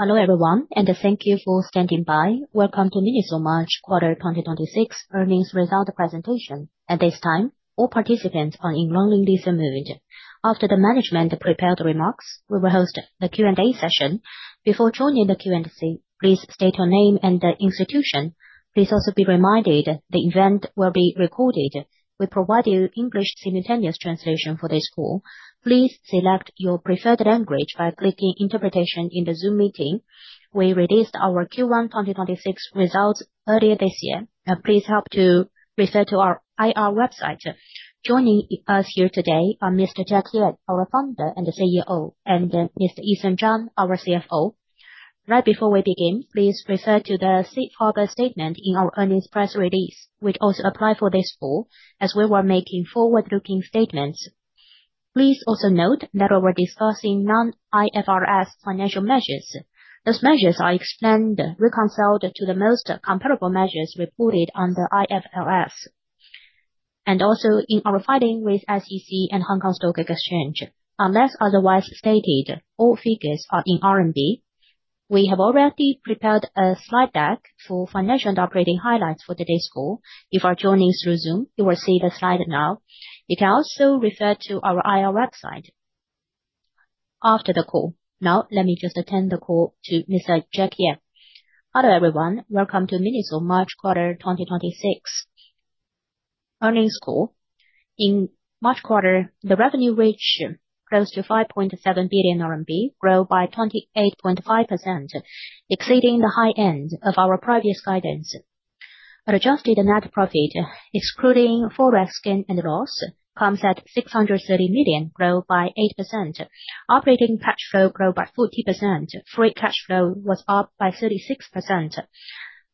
Hello everyone and thank you for standing by. Welcome to MINISO March quarter 2026 earnings result presentation. At this time, all participants are in listen only mode. After the management prepared remarks, we will host a Q&A session. Before joining the Q&A, please state your name and institution. Please also be reminded the event will be recorded. We provide you English simultaneous translation for this call. Please select your preferred language by clicking Interpretation in the Zoom meeting. We released our Q1 2026 results earlier this year. Now please refer to our IR website. Joining us here today are Mr. Jack Ye, our Founder and CEO, and Mr. Eason Zhang, our CFO. Right before we begin, please refer to the safe harbor statement in our earnings press release, which also apply for this call, as we were making forward-looking statements. Please also note that we're discussing non-IFRS financial measures. Those measures are extend, reconciled to the most comparable measures reported under IFRS. Also in our filing with SEC and Hong Kong Stock Exchange. Unless otherwise stated, all figures are in CNY. We have already prepared a slide deck for financial operating highlights for today's call. If you are joining through Zoom, you will see the slide now. You can also refer to our IR website after the call. Let me just hand the call to Mr. Jack Ye. Hello everyone. Welcome to MINISO March quarter 2026 earnings call. In March quarter, the revenue rate grows to 5.7 billion RMB, grow by 28.5%, excluding the high end of our previous guidance. Adjusted net profit, excluding forex gain and loss, comes at 630 million, grow by 8%. Operating cash flow grow by 40%. Free cash flow was up by 36%.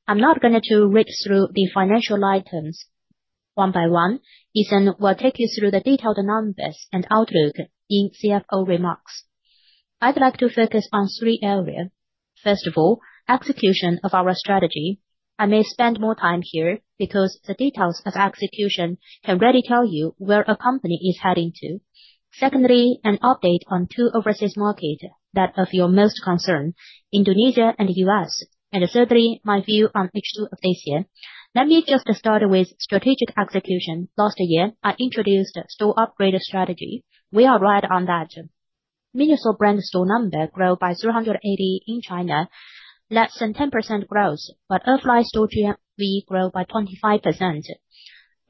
I'm not going to read through the financial items one by one. Eason will take you through the detailed numbers and outlook in CFO remarks. I'd like to focus on three areas. First of all, execution of our strategy. I may spend more time here because the details of execution can really tell you where a company is heading to. Secondly, an update on two overseas markets that are of your most concern: Indonesia and the U.S. Thirdly, my view on H2 of this year. Let me just start with strategic execution. Last year, I introduced a store upgrade strategy. We are right on that. MINISO brand store number grow by 280 in China, less than 10% growth, but offline store GMV grow by 25%.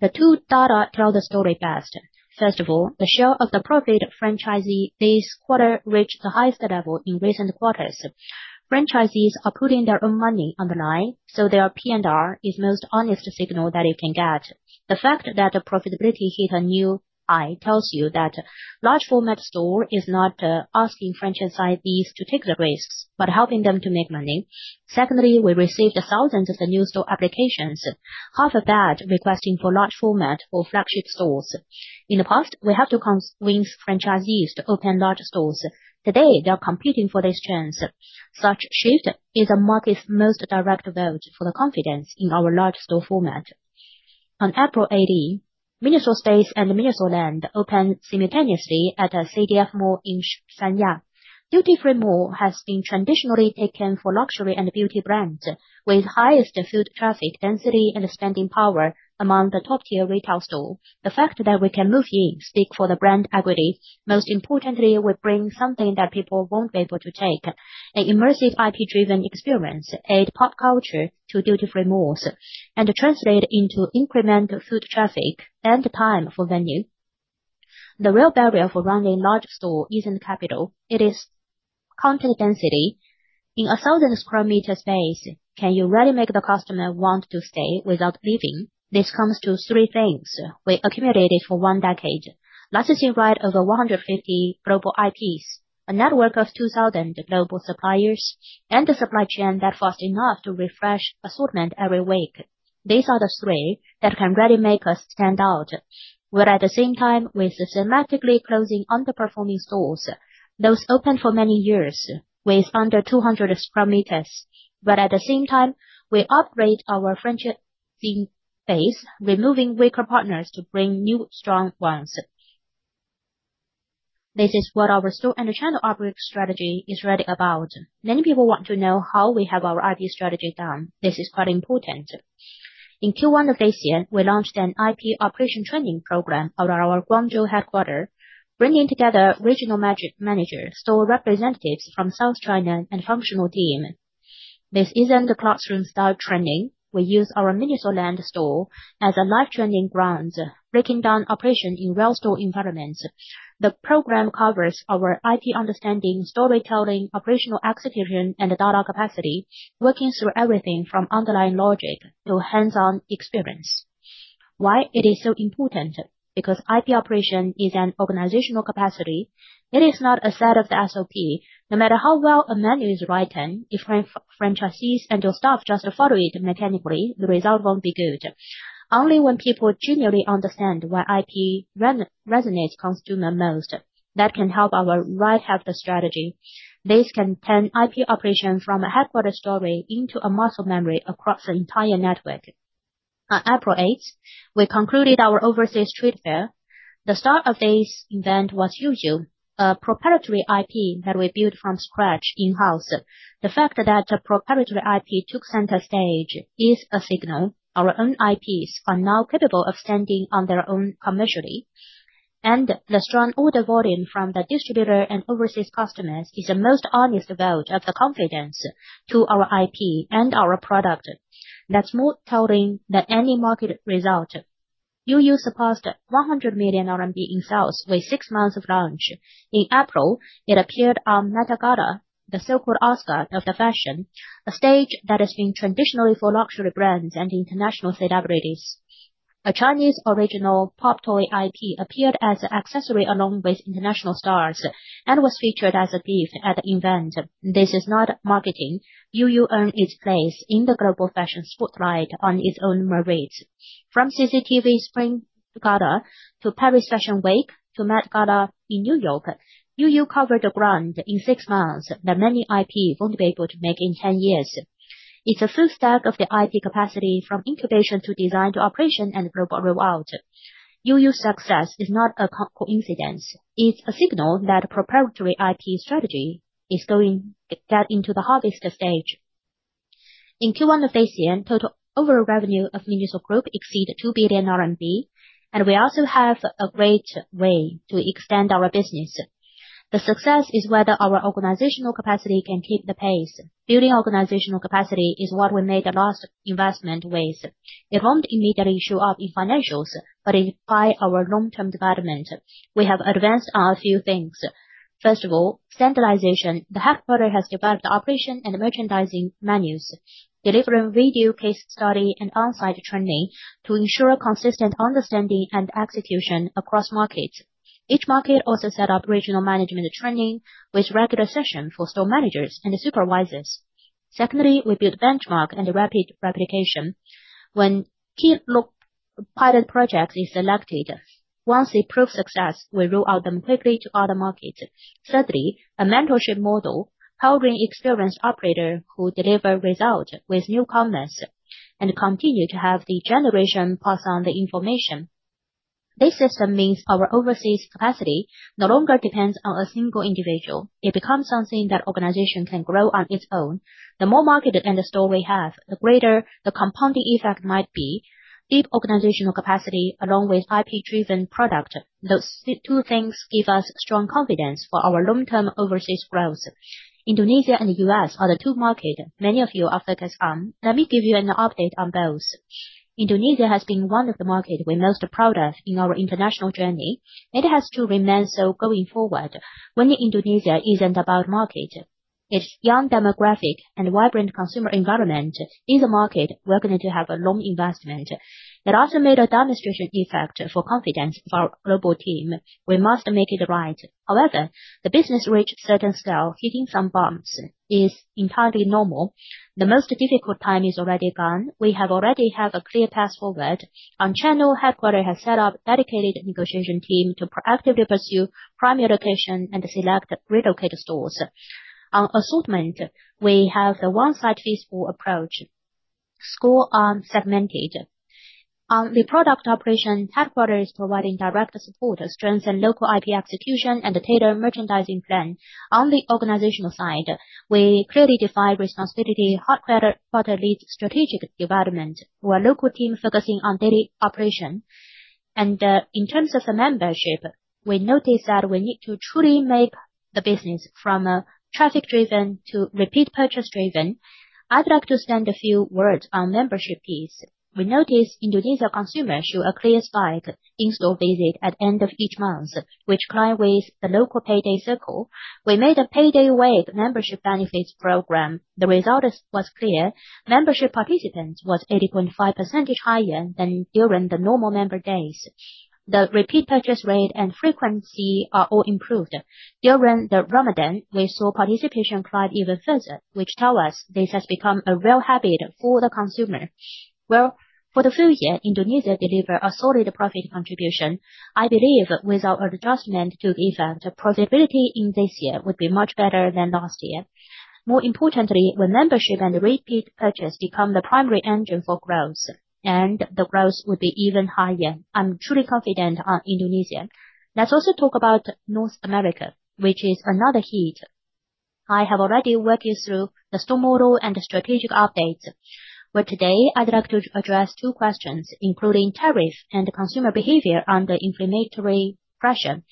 The two data tell the story best. First of all, the share of the pro-rate franchisee base quarter reached the highest level in recent quarters. Franchisees are putting their own money on the line, so their P&L is most honest signal that you can get. The fact that the profitability is a new high tells you that large format store is not asking franchisees to take the risk, but helping them to make money. Secondly, we received thousands of new store applications, half of that requesting for large format or flagship stores. In the past, we have to convince franchisees to open large stores. Today, they're competing for this chance. Such shift is the market's most direct vote for the confidence in our large store format. On April 18, MINISO SPACE and MINISO LAND opened simultaneously at CDF Mall in Sanya. Duty-free mall has been traditionally taken for luxury and beauty brands, with highest foot traffic density and spending power among the top-tier retail store. The fact that we can move in speak for the brand equity, most importantly, we bring something that people won't be able to take: an immersive IP-driven experience and pop culture to duty-free malls, and translate into incremental foot traffic and time for venue. The real barrier for running a large store isn't capital. It is content density. In a 1,000 sq m space, can you really make the customer want to stay without leaving? This comes to three things we accumulated for one decade. License right over 150 global IPs, a network of 2,000 global suppliers, and a supply chain that fast enough to refresh assortment every week. These are the three that can really make us stand out. At the same time, we're systematically closing underperforming stores, those open for many years with under 200 sq m. At the same time, we upgrade our franchisee base, removing weaker partners to bring new, strong ones. This is what our store and the channel upgrade strategy is really about. Many people want to know how we have our IP strategy done. This is quite important. In Q1 of this year, we launched an IP operation training program out of our Guangzhou headquarter, bringing together regional manager, store representatives from South China, and functional team. This isn't a classroom-style training. We use our MINISO LAND store as a live training ground, breaking down operations in real store environments. The program covers our IP understanding, storytelling, operational execution, and the data capacity, working through everything from underlying logic to hands-on experience. Why it is so important? Because IP operation is an organizational capacity. It is not a set of SOP. No matter how well a manual is written, if franchisees and your staff just follow it mechanically, the result won't be good. Only when people genuinely understand where IP resonates customer most, that can help our right half strategy. This can turn IP operation from a headquarter story into a muscle memory across the entire network. On April 8th, we concluded our overseas trip there. The star of this event was YOYO, a proprietary IP that we built from scratch in-house. The fact that the proprietary IP took center stage is a signal our own IPs are now capable of standing on their own commercially, and the strong order volume from the distributor and overseas customers is the most honest vote of the confidence to our IP and our product. That's more telling than any market result. YOYO surpassed 100 million RMB in sales within six months of launch. In April, it appeared on Met Gala, the Super Bowl Oscar of the fashion, a stage that has been traditionally for luxury brands and international celebrities. A Chinese original pop toy IP appeared as an accessory along with international stars and was featured as a piece at the event. This is not marketing. YOYO earned its place in the global fashion spotlight on its own merit. From CCTV Spring Festival Gala to Paris Fashion Week to Met Gala in New York, YOYO covered the ground in six months that many IP won't be able to make in 10 years. It's a full stack of the IP capacity from incubation to design to operation and global rollout. YOYO's success is not a coincidence. It's a signal that the proprietary IP strategy is going get into the harvest stage. In Q1, total overall revenue of MINISO Group exceeded 2 billion RMB, and we also have a great way to extend our business. The success is whether our organizational capacity can keep the pace. Building organizational capacity is what we made a vast investment with. It won't immediately show up in financials, but it's by our long-term development. We have advanced a few things. First of all, standardization. The headquarters has developed operation and merchandising manuals. They deliver video case study and on-site training to ensure consistent understanding and execution across markets. Each market also set up regional management training with regular session for store managers and supervisors. Secondly, would be the benchmark and the rapid replication. When pilot project is selected, once it proves success, we roll out them quickly to other markets. Thirdly, a membership model, helping experienced operator who deliver result with new comers and continue to have the generation pass on the information. This system means our overseas capacity no longer depends on a single individual. It becomes something that organization can grow on its own. The more market and the store we have, the greater the compounding effect might be. Deep organizational capacity along with IP-driven product, those two things give us strong confidence for our long-term overseas growth. Indonesia and the U.S. are the two markets many of you focused on. Let me give you an update on both. Indonesia has been one of the markets we master product in our international journey. It has truly been so going forward. Winning Indonesia isn't about market. Its young demographic and vibrant consumer environment in the market. We're going to have a long investment. It also made a demonstration effect for confidence to our global team. We must have made it right. The business reach certain scale, hitting some bumps is entirely normal. The most difficult time is already gone. We already have a clear path forward. Our channel headquarters has set up dedicated negotiation team to proactively pursue primary location and select good locator stores. Our assortment, we have a one size fits all approach. Score on segmentation. Our new product operation headquarters providing direct support to strengthen local IP execution and retail merchandising plan. On the organizational side, we clearly define responsibility. Headquarters lead strategic development, while local team focusing on daily operation. In terms of the membership, we notice that we need to truly make the business from a traffic-driven to repeat purchase-driven. I'd like to spend a few words on membership piece. We notice Indonesia consumer show a clear spike in store visit at end of each month, which correlates the local payday cycle. We made a payday week membership benefits program. The result was clear. Membership participants was 80.5% higher than during the normal member days. The repeat purchase rate and frequency are all improved. During the Ramadan, we saw participation climb even faster, which tell us this has become a real habit for the consumer. Well, for the first year, Indonesia delivered a solid profit contribution. I believe with our adjustment to event, the profitability in this year would be much better than last year. More importantly, the membership and the repeat purchase become the primary engine for growth. The growth would be even higher. I'm truly confident on Indonesia. Let's also talk about North America, which is another heat. I have already walked you through the store model and the strategic updates. Today, I'd like to address two questions, including tariffs and the consumer behavior under inflationary pressure.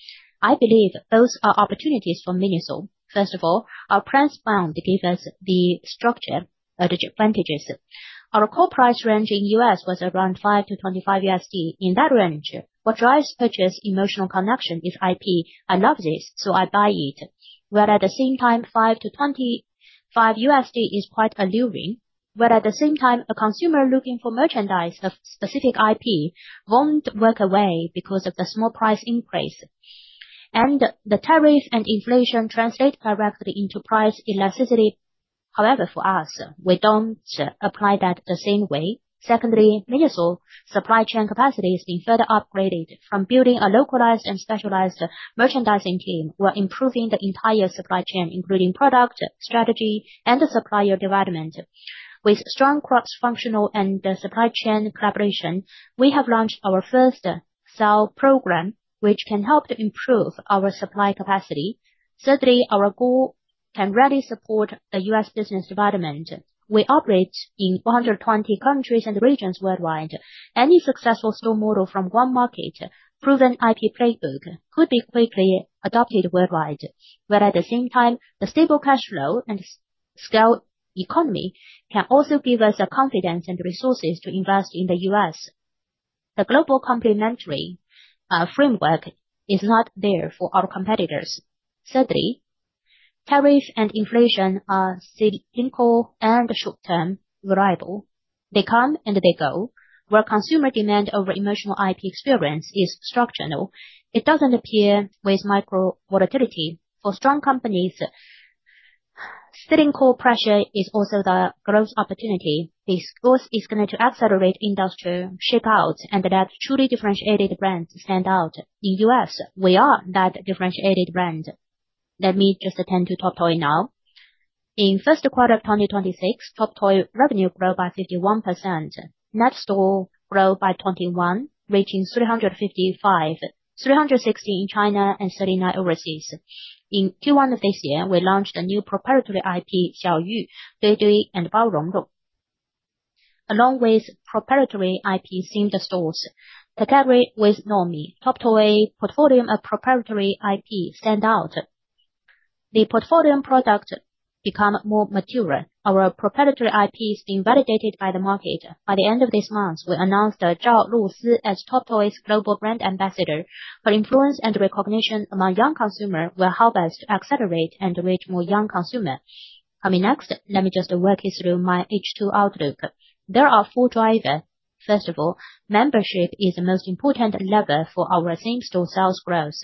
I believe those are opportunities for MINISO. First of all, our price band gives us the structure, the advantages. Our core price range in U.S. was around $5-$25. In that range, what drives purchase, emotional connection with IP. I love this, so I buy it. Where at the same time $5-$25 is quite alluring, but at the same time, a consumer looking for merchandise of specific IP won't walk away because of the small price increase. The tariffs and inflation translate directly into price elasticity. However, for us, we don't apply that the same way. Secondly, MINISO Supply chain capacity is being further upgraded. From building a localized and specialized merchandising team, we're improving the entire supply chain, including product, strategy, and the supplier development. With strong cross-functional and the supply chain collaboration, we have launched our first SAL program, which can help to improve our supply capacity. Our goal can really support the U.S. business development. We operate in 120 countries and regions worldwide. Any successful store model from one market, proven IP playbook, could be quickly adopted worldwide. At the same time, the stable cash flow and scale economy can also give us the confidence and resources to invest in the U.S. The global complementary framework is not there for our competitors. Tarriff and inflation are cyclical and short-term variable. They come, and they go. Where consumer demand over emotional IP experience is structural, it doesn't appear with micro volatility. For strong companies, cyclical pressure is also the growth opportunity. This force is going to accelerate industrial shakeout and let truly differentiated brands stand out. In U.S., we are that differentiated brand. Let me just attend to TOP TOY now. In first quarter 2026, TOP TOY revenue grew by 51%. Net store grew by 21, reaching 355, 360 in China, and 79 overseas. In Q1 of this year, we launched a new proprietary IP, Xiao Yu, Daidai, and Bao Long Long. Along with proprietary IP same stores, together with Nomi, TOP TOY portfolio of proprietary IP stand out. The portfolio products become more mature. Our proprietary IP is being validated by the market. By the end of this month, we'll announce Zhao Lusi as TOP TOY's global brand ambassador. Her influence and recognition among young consumer will help us accelerate and reach more young consumer. Coming next, let me just walk you through my H2 outlook. There are four drivers. First of all, membership is the most important lever for our same-store sales growth.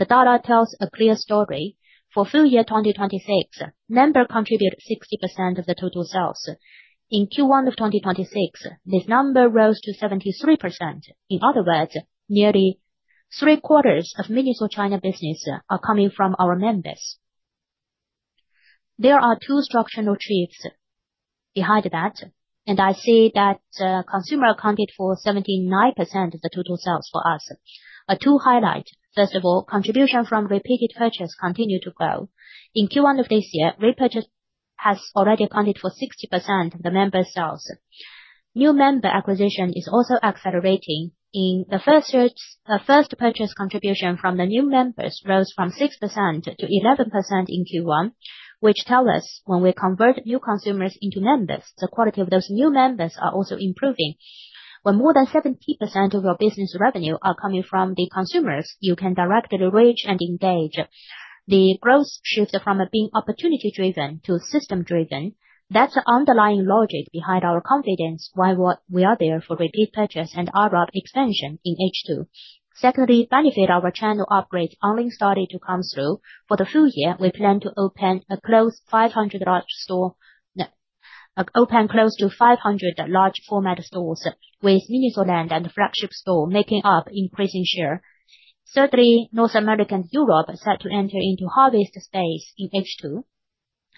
The data tells a clear story. For full year 2026, member contributed 60% of the total sales. In Q1 of 2026, this number rose to 73%. In other words, nearly three-quarters of MINISO China business are coming from our members. There are two structural shifts behind that. I see that consumer accounted for 79% of the total sales for us. Are two highlights. First of all, contribution from repeated purchases continue to grow. In Q1 of this year, repurchase has already accounted for 60% of the member sales. New member acquisition is also accelerating. In the first purchase contribution from the new members rose from 6% to 11% in Q1, which tell us when we convert new consumers into members, the quality of those new members are also improving. When more than 70% of your business revenue are coming from the consumers you can directly reach and engage, the growth shifts from being opportunity-driven to system-driven. That's the underlying logic behind our confidence why we are there for repeat purchase and ARPU expansion in H2. Secondly, benefit our channel upgrade already started to come through. For the full year, we plan to open close to 500 large format stores, with MINISO LAND and flagship store making up increasing share. Certainly, North America and Europe set to enter into harvest phase in H2.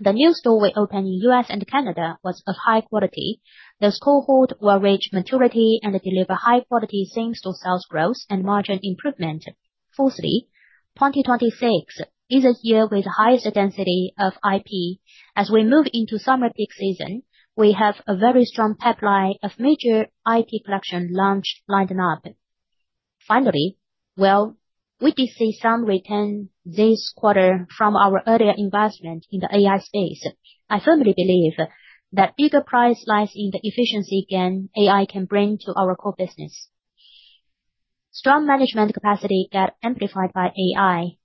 The new store we opened in U.S. and Canada was of high quality. This cohort will reach maturity and deliver high-quality same-store sales growth and margin improvement. 2026 is the year with highest density of IP. As we move into summer peak season, we have a very strong pipeline of major IP collection launch lined up. We could see some return this quarter from our earlier investment in the AI space. I firmly believe that we surprise lies in the efficiency gain AI can bring to our core business. Strong management capacity get amplified by AI,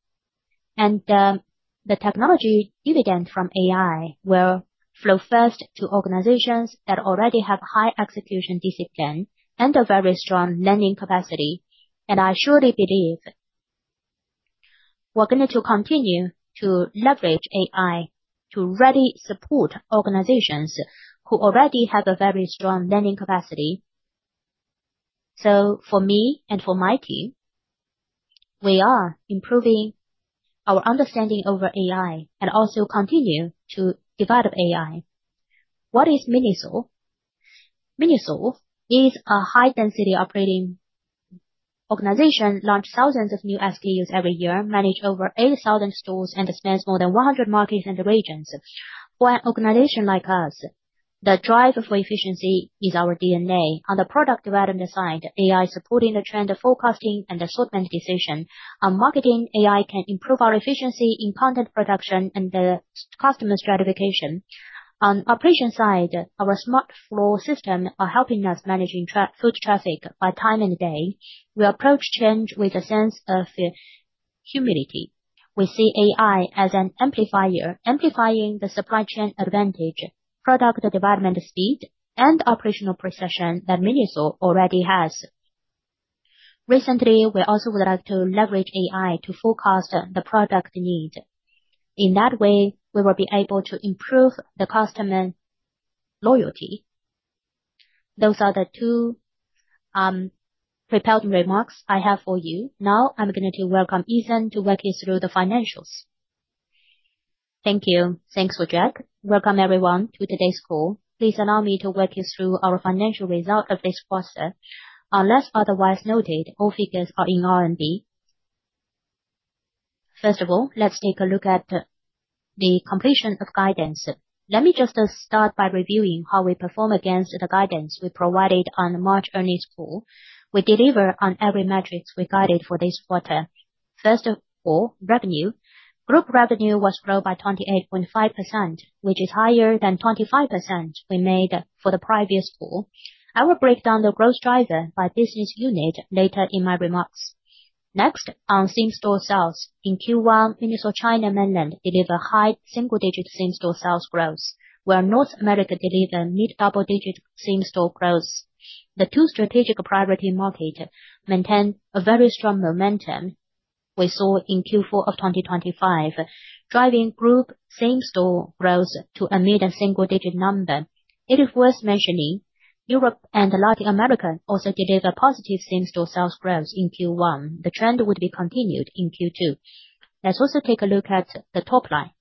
and the technology dividend from AI will flow first to organizations that already have high execution discipline and a very strong learning capacity. I surely believe we're going to continue to leverage AI to really support organizations who already have a very strong learning capacity. For me and for my team, we are improving our understanding over AI and also continue to develop AI. What is MINISO? MINISO is a high-density operating organization, launch thousands of new SKUs every year, manage over 8,000 stores, and extends more than 100 markets and regions. For an organization like us, the drive for efficiency is our DNA. On the product development side, AI is supporting the trend forecasting and the assortment decision. On marketing, AI can improve our efficiency in content production and the customer stratification. On operation side, our smart floor system are helping us managing foot traffic by time and day. We approach change with a sense of humility. We see AI as an amplifier, amplifying the supply chain advantage, product development speed, and operational precision that MINISO already has. Recently, we also would like to leverage AI to forecast the product need. In that way, we will be able to improve the customer loyalty. Those are the two prepared remarks I have for you. Now, I'm going to welcome Eason to walk you through the financials. Thank you. Thanks, Jack. Welcome, everyone, to today's call. Please allow me to walk you through our financial result of this quarter. Unless otherwise noted, all figures are in RMB. Let's take a look at the completions of guidance. Let me just start by reviewing how we performed against the guidance we provided on the March earnings call. We delivered on every metric we guided for this quarter. First of all, revenue. Group revenue was grown by 28.5%, which is higher than the 25% we made for the previous quarter. I will break down the growth driver by business unit later in my remarks. Next, on same-store sales. In Q1, MINISO China Mainland delivered high single-digit same-store sales growth, where North America delivered mid-double-digit same-store growth. The two strategic priority markets maintained a very strong momentum we saw in Q4 of 2025, driving group same-store growth to a mid-single digit number. It is worth mentioning, Europe and Latin America also delivered positive same-store sales growth in Q1. The trend will be continued in Q2. Let's also take a look at the top line.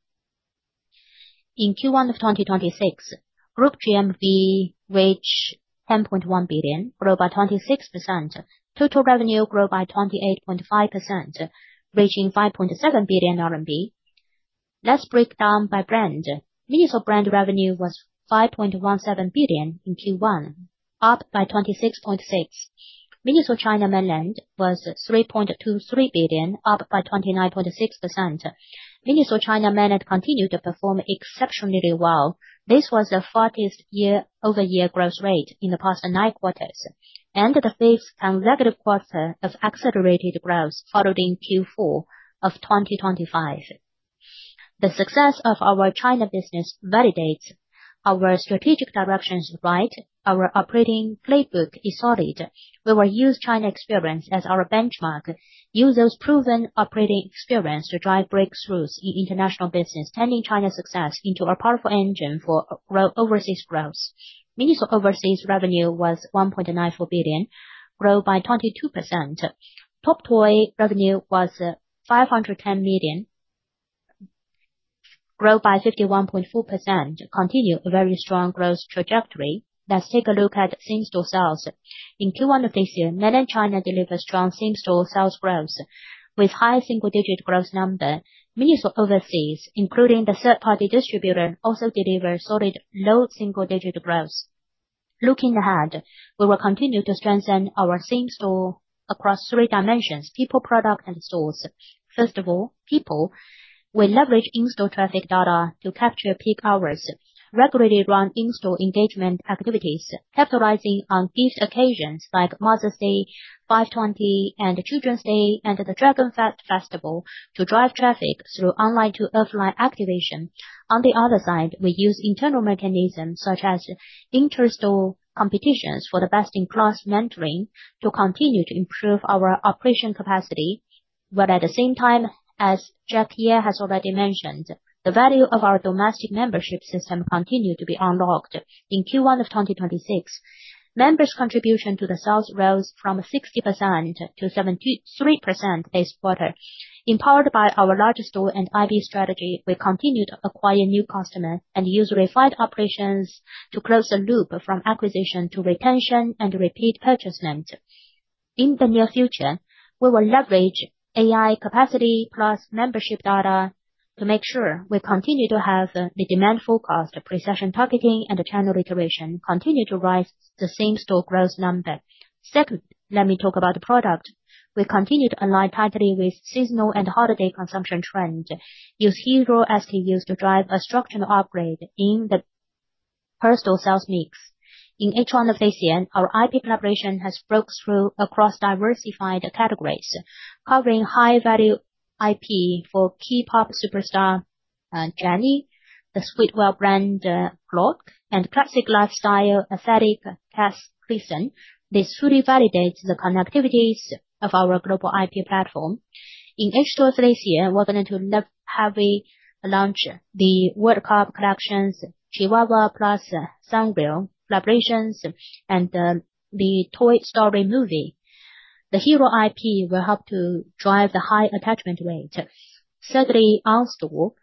In Q1 of 2026, group GMV reached 10.1 billion RMB, grew by 26%. Total revenue grew by 28.5%, reaching 5.7 billion RMB. Let's break down by brand. MINISO Brand revenue was 5.17 billion in Q1, up by 26.6%. MINISO China Mainland was 3.23 billion, up by 29.6%. MINISO China Mainland continued to perform exceptionally well. This was the fourth year-over-year growth rate in the past nine quarters, and the fifth consecutive quarter of accelerated growth following Q4 of 2025. The success of our China business validates our strategic direction is right, our operating playbook is solid. We will use China experience as our benchmark, use this proven operating experience to drive breakthroughs in international business, turning China's success into a powerful engine for overseas growth. MINISO overseas revenue was 1.94 billion, grew by 22%. TOP TOY revenue was 510 million, grew by 51.4%, continued a very strong growth trajectory. Let's take a look at same-store sales. In Q1 of this year, Mainland China delivered strong same-store sales growth with high single-digit growth number. MINISO overseas, including the third-party distributor, also delivered solid low single-digit growth. Looking ahead, we will continue to strengthen our same store across three dimensions, people, product, and stores. First of all, people. We leverage in-store traffic data to capture peak hours, regularly run in-store engagement activities, capitalizing on peak occasions like Mother's Day, 520 Lover's Day, and Children's Day, and the Dragon Boat Festival to drive traffic through online to offline activation. On the other side, we use internal mechanisms such as in-store competitions for the best in-class mentoring to continue to improve our operation capacity. At the same time, as Jack Ye has already mentioned, the value of our domestic membership system continued to be unlocked. In Q1 of 2026, members' contribution to the sales growth from 60% to 73% this quarter. Empowered by our large store and IP strategy, we continued to acquire new customers and use refined operations to close the loop from acquisition to retention and repeat purchase. In the near future, we will leverage AI capacity plus membership data to make sure we continue to have the demand forecast, the precision targeting, and the channel iteration continue to drive the same-store growth number. Second, let me talk about the product. We continue to align category with seasonal and holiday consumption trend, use hero SKUs to drive a structural upgrade in the personal sales mix. In H1 of this year, our IP preparation has broke through across diversified categories, covering high-value IP for K-pop superstar brand Jennie, the streetwear brand growth, and classic lifestyle aesthetic past season. This fully validates the connectivity of our global IP platform. In H2 of this year, we're going to heavily launch the World Cup collections, Chiikawa plus Sanrio collaborations, and the Toy Story movie. The hero IP will help to drive the high attachment rate. Secondly, our store.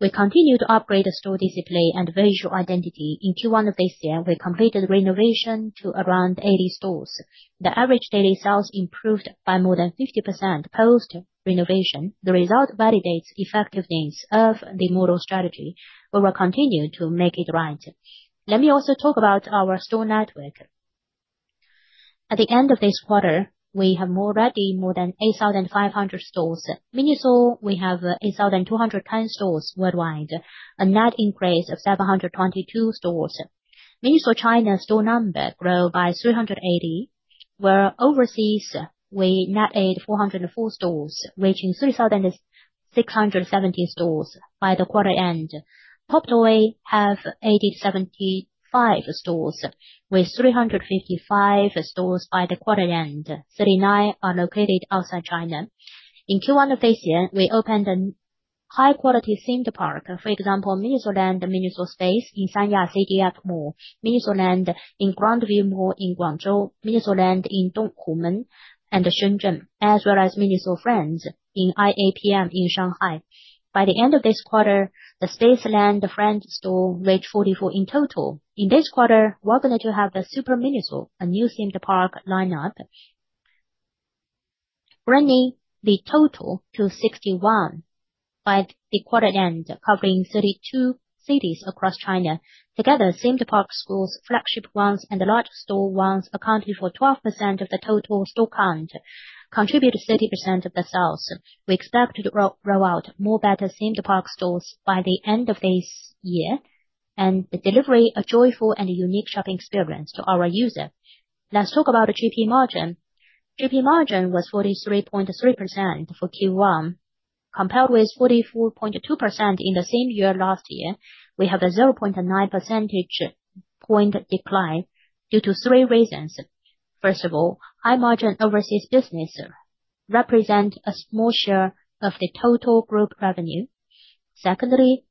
We continue to upgrade the store display and visual identity. In Q1 of this year, we completed renovation to around 80 stores. The average daily sales improved by more than 50% post renovation. The result validates the effectiveness of the model strategy. We will continue to make it right. Let me also talk about our store network. At the end of this quarter, we have already more than 8,500 stores. MINISO, we have 8,210 stores worldwide, a net increase of 722 stores. MINISO China store number grew by 380, where overseas we net added 404 stores, reaching 3,670 stores by the quarter end. TOP TOY have 875 stores, with 355 stores by the quarter end. 39 are located outside China. In Q1 of this year, we opened high-quality theme park, for example, MINISO LAND and MINISO SPACE in Sanya CDF Mall, MINISO LAND in Grandview Mall in Guangzhou, MINISO LAND in Dongmen and Shenzhen, as well as MINISO FRIENDS in IAPM Mall in Shanghai. By the end of this quarter, the SPACE, LAND, and FRIENDS stores reached 44 in total. In this quarter, we're going to have the SUPER MINISO, a new theme park lineup, bringing the total to 61 by the quarter end, covering 32 cities across China. Together, theme park stores, flagship ones, and the large store ones accounting for 12% of the total store count contributed 30% of the sales. We expect to roll out more better theme park stores by the end of this year and deliver a joyful and unique shopping experience to our user. Let's talk about our GP margin. GP margin was 43.3% for Q1 compared with 44.2% in the same year last year. We have a 0.9 percentage point decline due to three reasons. First of all, high-margin overseas business represents a small share of the total group revenue. Secondly,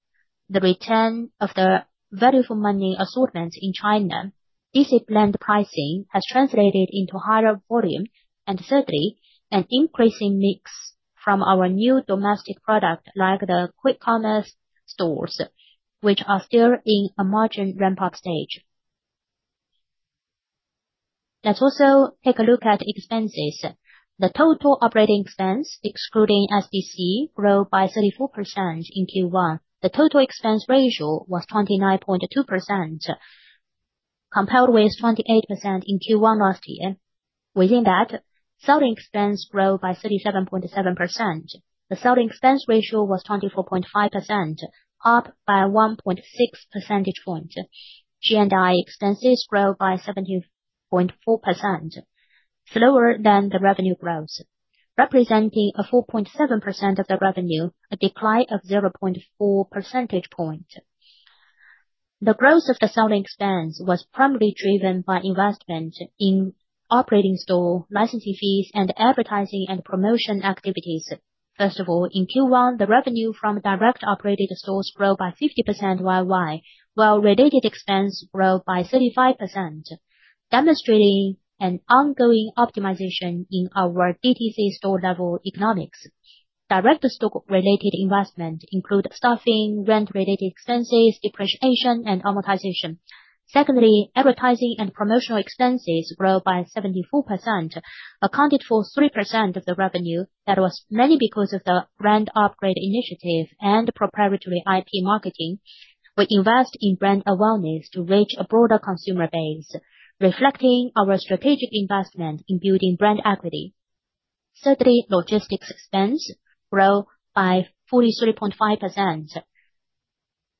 the return of the value-for-money assortment in China. Disciplined pricing has translated into higher volume. Thirdly, an increasing mix from our new domestic product, like the quick commerce stores, which are still in a margin ramp-up stage. Let's also take a look at expenses. The total operating expense, excluding SBC, grew by 34% in Q1. The total expense ratio was 29.2%, compared with 28% in Q1 last year. Within that, selling expense grew by 37.7%. The selling expense ratio was 24.5%, up by 1.6 percentage points. G&A expenses grew by 17.4%, slower than the revenue growth, representing 4.7% of the revenue, a decline of 0.4 percentage point. The growth of the selling expense was primarily driven by investment in operating store licensing fees and advertising and promotion activities. First of all, in Q1, the revenue from direct operating stores grew by 50% YoY, while related expense grew by 35%, demonstrating an ongoing optimization in our DTC store-level economics. Direct store-related investment include staffing, rent-related expenses, depreciation, and amortization. Secondly, advertising and commercial expenses grew by 74%, accounted for 3% of the revenue. That was mainly because of the brand upgrade initiative and the proprietary IP marketing. We invest in brand awareness to reach a broader consumer base, reflecting our strategic investment in building brand equity. Thirdly, logistics expense grew by 43.5%,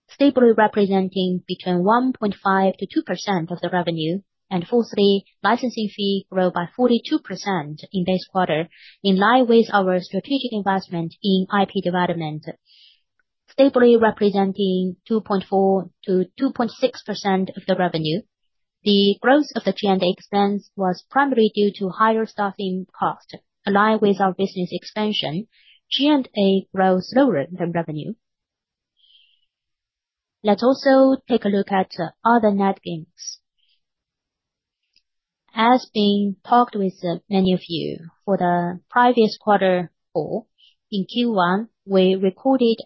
stably representing between 1.5%-2% of the revenue. Fourthly, licensing fee grew by 42% in this quarter, in line with our strategic investment in IP development, stably representing 2.4%-2.6% of the revenue. The growth of the G&A expense was primarily due to higher staffing cost. In line with our business expansion, G&A grew slower than revenue. Let's also take a look at other net gains. As being talked with many of you, for the previous quarter four, in Q1, we recorded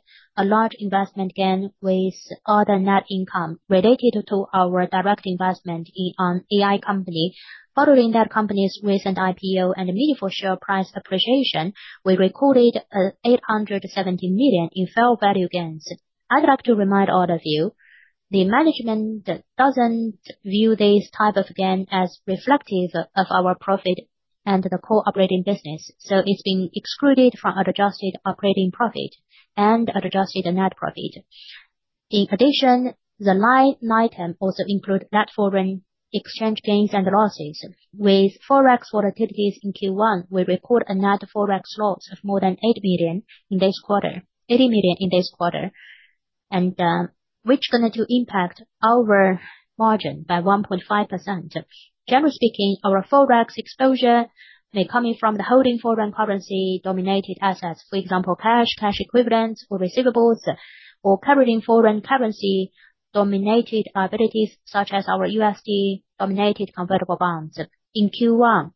a large investment gain with other net income related to our direct investment in an AI company. Following that company's recent IPO and meaningful share price appreciation, we recorded 870 million in fair value gains. I'd like to remind all of you, the management doesn't view this type of gain as reflective of our profit and the core operating business, so it's been excluded from adjusted operating profit and adjusted net profit. In addition, the line item also include net foreign exchange gains and losses. With forex volatility in Q1, we record a net forex loss of more than 8 million in this quarter, which going to impact our margin by 1.5%. Generally speaking, our forex exposure may come in from the holding foreign currency-dominated assets, for example, cash equivalents, or receivables, or carrying foreign currency-dominated liabilities such as our USD-dominated convertible bonds. In Q1,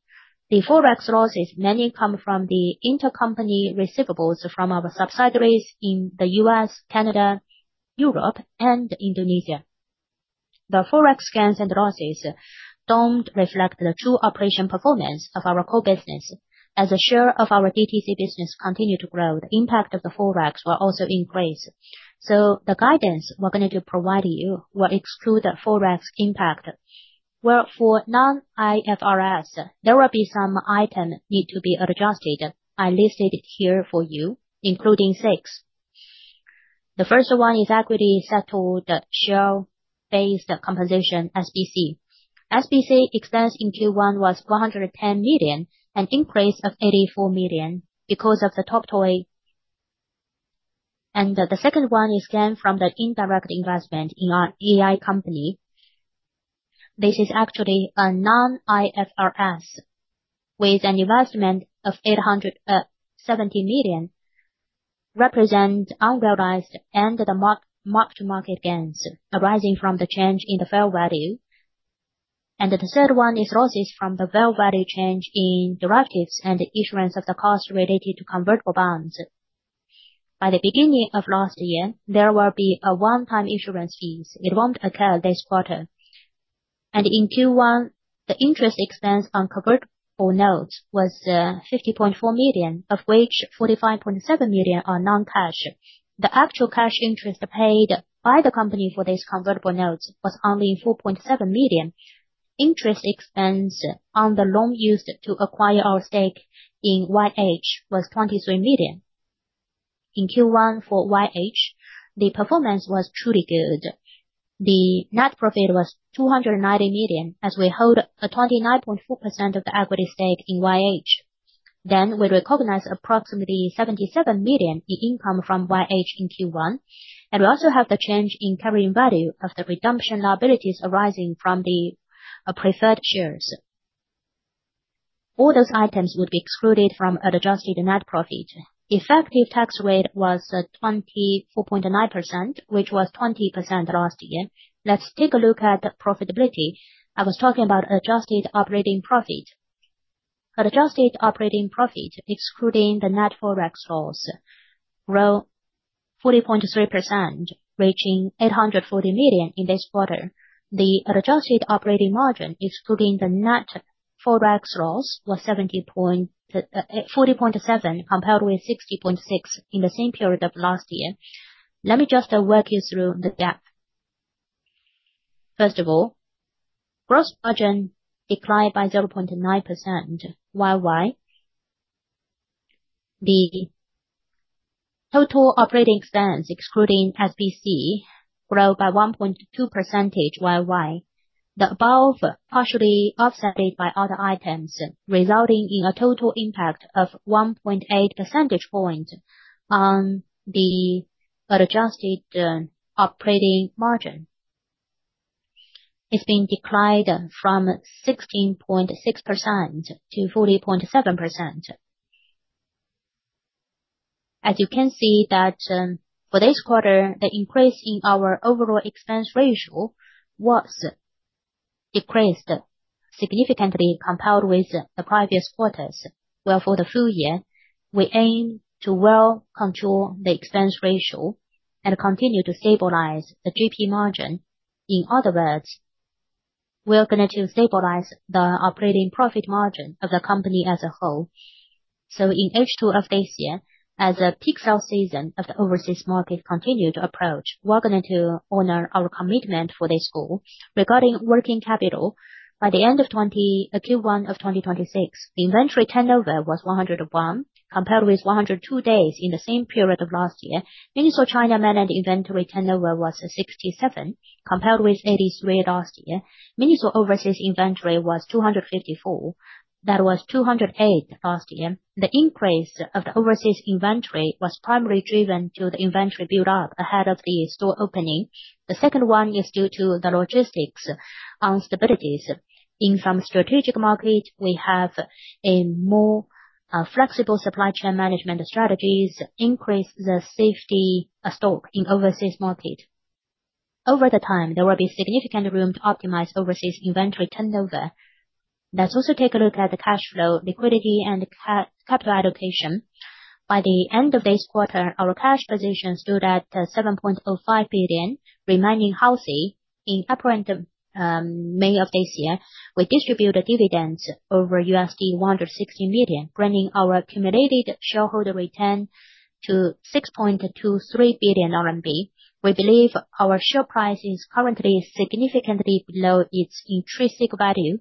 the forex losses mainly come from the intercompany receivables from our subsidiaries in the U.S., Canada, Europe, and Indonesia. The forex gains and losses don't reflect the true operational performance of our core business. As the share of our DTC business continue to grow, the impact of the forex will also increase. The guidance we're going to provide you will exclude the forex impact. Well, for non-IFRS, there will be some item need to be adjusted. I listed it here for you, including six. The first one is equity settled Share-Based Compensation, SBC. SBC expense in Q1 was 410 million, an increase of 84 million because of the top line. The second one is gain from the indirect investment in our AI company. This is actually a non-IFRS with an investment of 817 million represent unrealized and the mark-to-market gains arising from the change in the fair value. The third one is losses from the fair value change in derivatives and the issuance of the cost related to convertible bonds. By the beginning of last year, there will be a one-time issuance fees that won't occur this quarter. In Q1, the interest expense on convertible notes was 50.4 million, of which 45.7 million are non-cash. The actual cash interest paid by the company for this convertible note was only 4.7 million. Interest expense on the loan used to acquire our stake in YH was 23 million. In Q1 for YH, the performance was truly good. The net profit was 290 million as we hold 29.4% of the equity stake in YH. We recognize approximately 77 million in income from YH in Q1, and we also have the change in carrying value of the redemption liabilities arising from the preferred shares. All those items will be excluded from adjusted net profit. Effective tax rate was 24.9%, which was 20% last year. Let's take a look at the profitability. I was talking about adjusted operating profit. Adjusted operating profit, excluding the net forex loss, grow 40.3% reaching 840 million in this quarter. The adjusted operating margin, excluding the net forex loss, was 40.7% compared with 60.6% in the same period of last year. Let me just walk you through the gap. First of all, gross margin declined by 0.9% YoY. The total operating expense, excluding SBC, grew by 1.2% YoY. The above partially offsetted by other items, resulting in a total impact of 1.8 percentage point on the adjusted operating margin. It's been declined from 16.6% to 40.7%. As you can see that for this quarter, the increase in our overall expense ratio was increased significantly compared with the previous quarters, where for the full year, we aim to well control the expense ratio and continue to stabilize the GP margin. In other words, we are going to stabilize the operating profit margin for the company as a whole. In H2 of this year, as a peak sales season of the overseas market continue to approach, we are going to honor our commitment for this goal. Regarding working capital, by the end of Q1 of 2026, the inventory turnover was 101 compared with 102 days in the same period of last year. MINISO China managed inventory turnover was at 67 compared with 83 last year. MINISO overseas inventory was 254. That was 208 last year. The increase of overseas inventory was primarily driven through the inventory build-up ahead of the store opening. The second one is due to the logistics instabilities. In some strategic market, we have a more flexible supply chain management strategies, increase the safety stock in overseas market. Over the time, there will be significant room to optimize overseas inventory turnover. Let's also take a look at the cash flow, liquidity, and capital allocation. By the end of this quarter, our cash position stood at 7.05 billion, remaining healthy. In April and May of this year, we distributed dividends over $160 million, bringing our cumulative shareholder return to 6.23 billion RMB. We believe our share price is currently significantly below its intrinsic value.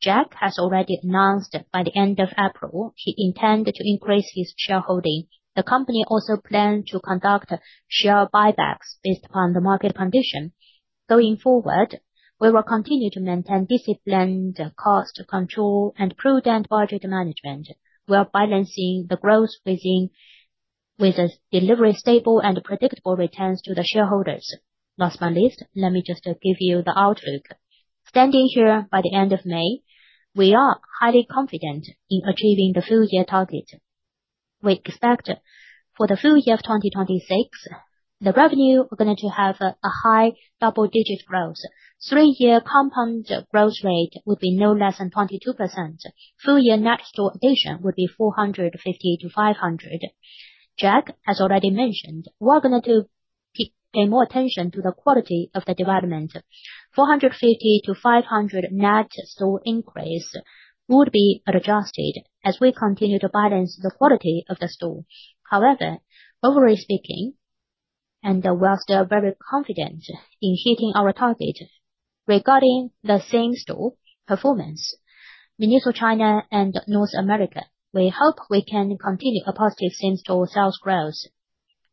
Jack has already announced by the end of April, he intends to increase his shareholding. The company also planned to conduct share buybacks based on the market condition. Going forward, we will continue to maintain disciplined cost control and prudent working management. We are balancing the growth with a delivery stable and predictable returns to the shareholders. Last but not least, let me just give you the outlook. Standing here by the end of May, we are highly confident in achieving the full year target. We expect for the full year 2026, the revenue we're going to have a high double-digit growth. Three-year compound growth rate would be no less than 22%. Full year net store addition would be 450-500. Jack has already mentioned, we're going to pay more attention to the quality of the development. 450-500 net store increase would be adjusted as we continue to balance the quality of the store. However, overall speaking, we are still very confident in hitting our target. Regarding the same-store performance, MINISO China and North America, we hope we can continue a positive same-store sales growth.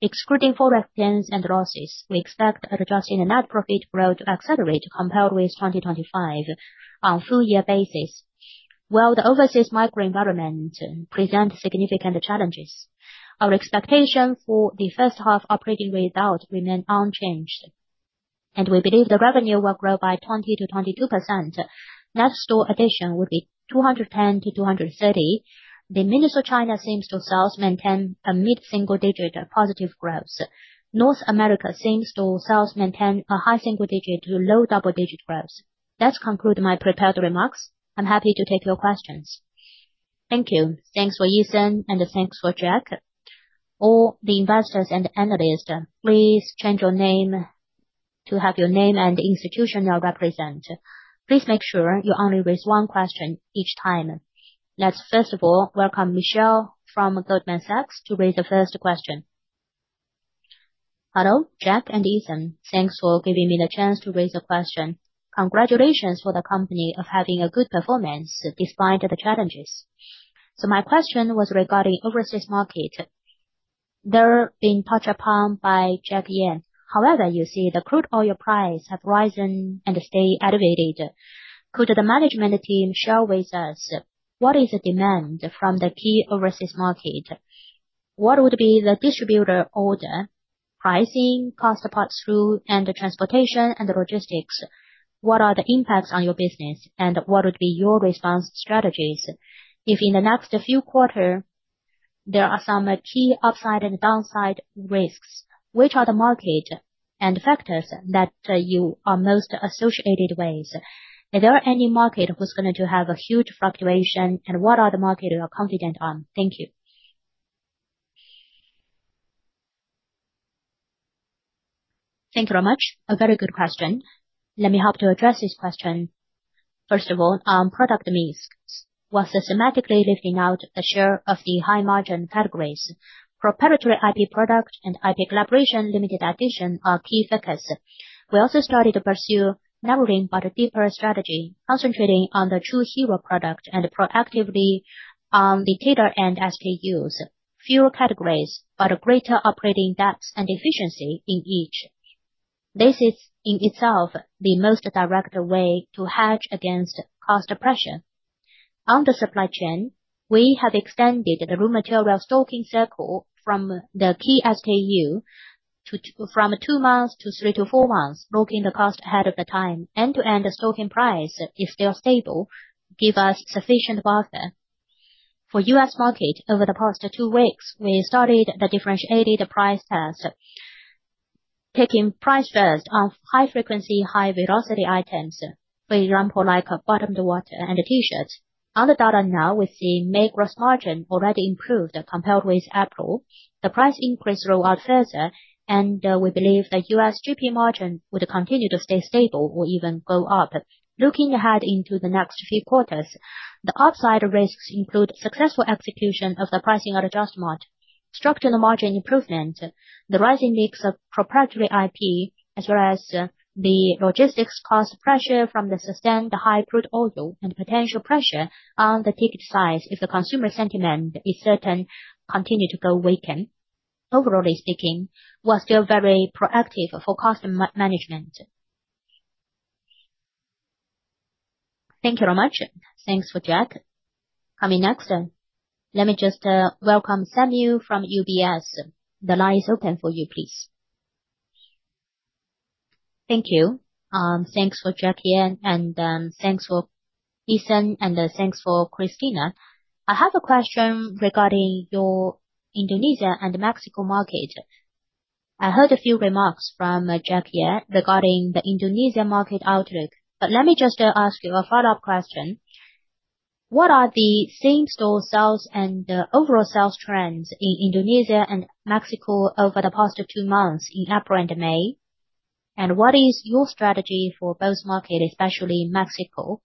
Excluding forex gains and losses, we expect adjusted net profit growth to accelerate compared with 2025 on full year basis. While the overseas macro environment presents significant challenges, our expectation for the first half operating readout remain unchanged. We believe the revenue will grow by 20%-22%. Net store addition will be 210-230. The MINISO China same-store sales maintain a mid-single digit positive growth. North America same-store sales maintain a high single-digit to low double-digit growth. That concludes my prepared remarks. I'm happy to take your questions. Thank you. Thanks for Eason, thanks for Jack. All the investors and analysts, please state your name to have your name and the institution you represent. Please make sure you only raise one question each time. Let's first of all welcome Michelle from Goldman Sachs to raise the first question. Hello, Jack and Eason. Thanks for giving me the chance to raise a question. Congratulations for the company of having a good performance despite the challenges. My question was regarding overseas markets. They're being touched upon by Jack Ye. You see the crude oil price have risen and stay elevated. Could the management team share with us what is the demand from the key overseas market? What would be the distributor order, pricing, cost of goods sold, and the transportation and the logistics? What are the impacts on your business, and what would be your response strategies? If in the next few quarter, there are some key upside and downside risks, which are the market and factors that you are most associated with? Are there any market that's going to have a huge fluctuation, and what are the market you're confident on? Thank you. Thank you very much. A very good question. Let me help to address this question. First of all, on product mix. While systematically laying out the share of the high-margin categories. Proprietary IP product and IP collaboration limited edition are key focus. We also started to pursue narrowing but deeper strategy, concentrating on the true hero product and proactively on the tailor and SKUs. Fewer categories, but a greater operating depth and efficiency in each. This is, in itself, the most direct way to hedge against cost pressure. On the supply chain, we have extended the raw material stocking circle from the SKU from two months to three to four months, locking the cost ahead of the time. End-to-end stocking price is still stable, gives us sufficient buffer. For U.S. market, over the past two weeks, we started the differentiated price tags, taking price first on high frequency, high velocity items. For example, like a bottom to water and a T-shirt. On the bottom now, we see GP margin already improved compared with April. The price increase roll out further. We believe that U.S. GP margin would continue to stay stable or even go up. Looking ahead into the next three quarters, the upside risks include successful execution of the pricing adjustment, structural margin improvement, the rising mix of proprietary IP, as well as the logistics cost pressure from the sustained high crude oil and potential pressure on the ticket size if the consumer sentiment is certain continue to go weaken. Overall speaking, we're still very proactive for cost management. Thank you very much. Thanks for Jack. Coming next, let me just welcome Samuel from UBS. The line is open for you, please. Thank you. Thanks for Jack Ye, and thanks for Eason, and thanks for Christina. I have a question regarding your Indonesia and Mexico market. I heard a few remarks from Jack Ye regarding the Indonesia market outlook, but let me just ask you a follow-up question. What are the same-store sales and the overall sales trends in Indonesia and Mexico over the past two months in April and May? What is your strategy for both market, especially Mexico?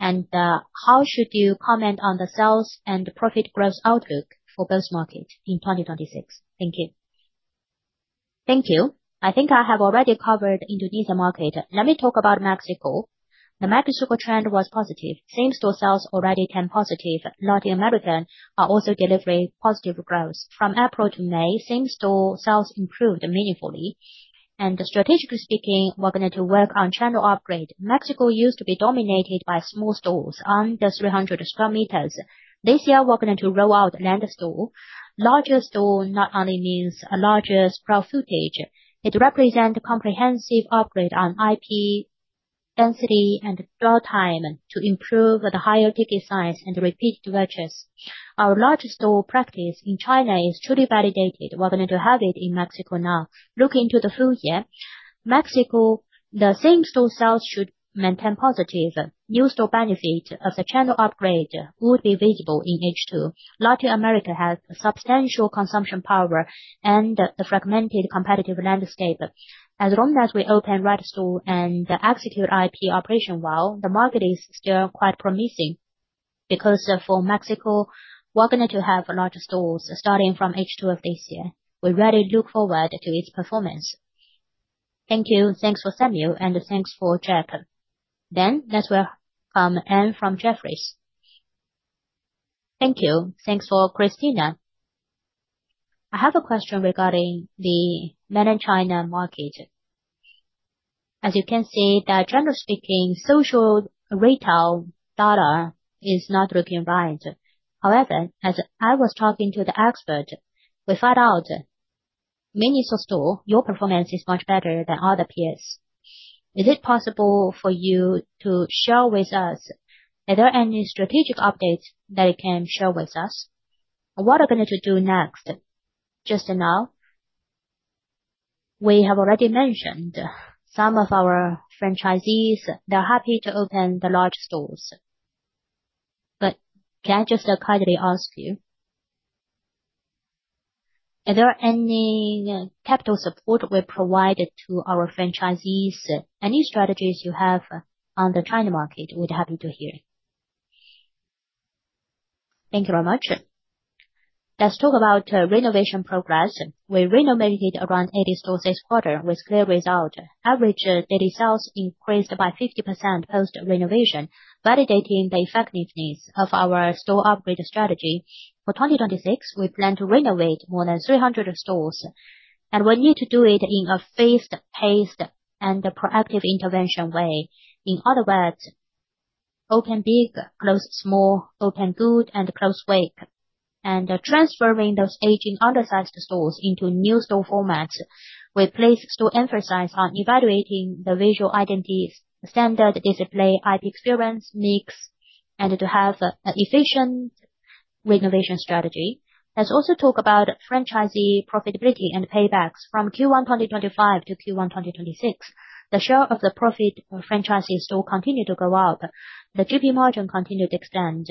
How should you comment on the sales and profit growth outlook for both market in 2026? Thank you. Thank you. I think I have already covered Indonesia market. Let me talk about Mexico. The Mexico trend was positive. Same-store sales already turned positive. Latin America are also delivering positive growth. From April to May, same-store sales improved meaningfully. Strategically speaking, we're going to work on channel upgrade. Mexico used to be dominated by small stores under 300 sq m. This year, we're going to roll out another store. Larger store not only means a larger floor footage. It represent a comprehensive upgrade on IP density and dwell time to improve the higher ticket size and repeat purchase. Our largest store practice in China is fully validated. We're going to have it in Mexico now. Looking to the full year, Mexico, the same-store sales should maintain positive. New store benefit as the channel upgrade would be visible in H2. Latin America has a substantial consumption power and the fragmented competitive landscape. As long as we open right store and execute IP operation well, the market is still quite promising. For Mexico, we're going to have larger stores starting from H2 of this year. We really look forward to its performance. Thank you. Thanks for Samuel, and thanks for Jack. Let's welcome Anne from Jefferies. Thank you. Thanks for Christina. I have a question regarding the mainland China market. As you can see that generally speaking, social retail data is not looking right. However, as I was talking to the expert, we found out MINISO store, your performance is much better than other peers. Is it possible for you to share with us, are there any strategic updates that you can share with us? What are we going to do next? Just now, we have already mentioned some of our franchisees, they're happy to open the large stores. Can I just kindly ask you, are there any capital support we provided to our franchisees? Any strategies you have on the China market we'd happy to hear. Thank you very much. Let's talk about renovation progress. We renovated around 80 stores this quarter with clear result. Average daily sales increased by 50% post renovation, validating the effectiveness of our store upgrade strategy. For 2026, we plan to renovate more than 300 stores, we need to do it in a phased pace and a proactive intervention way. In other words, open big, close small, open good, and close weak. Transferring those aging undersized stores into new store formats with place to emphasize on evaluating the visual identities, standard display, IP experience mix, and to have efficient renovation strategy. Let's also talk about franchisee profitability and paybacks from Q1 2025 to Q1 2026. The share of the profit franchisee store continued to go up. The GP margin continued to expand.